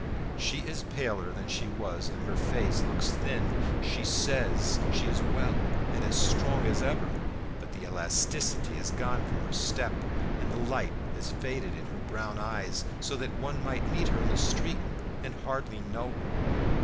She is paler than she was and her face looks thin. She says she is well and as strong as ever, but the elasticity is gone from her step, and the light has faded in her brown eyes, so that one might meet her in the street and hardly know her.